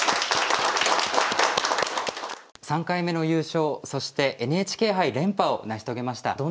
３回目の優勝そしてＮＨＫ杯連覇を成し遂げました。